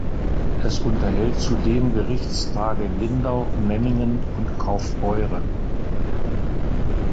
Es unterhält zudem Gerichtstage in Lindau, Memmingen und Kaufbeuren.